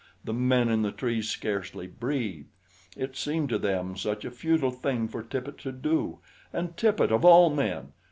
The men in the trees scarcely breathed. It seemed to them such a futile thing for Tippet to do, and Tippet of all men!